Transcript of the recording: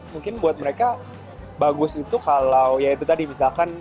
mungkin buat mereka bagus itu kalau ya itu tadi misalkan